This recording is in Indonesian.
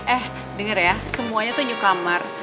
eh dengar ya semuanya tuh newcomer